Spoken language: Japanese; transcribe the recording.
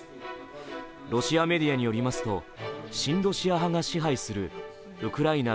ロシアメディアによりますと、親ロシア派が支配するウクライナ